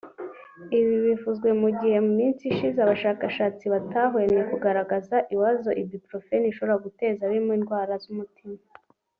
Ibi bivuzwe mu gihe mu minsi ishize abashakashatsi batahwemye kugaragaza ibibazo Ibuprofen ishobora guteza birimo indwara z’umutima